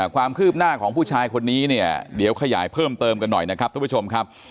ความคืบหน้าของผู้ชายคนนี้เนี่ยเดี๋ยวขยายเพิ่มเติมกันหน่อยนะครับทุกผู้ชมครับ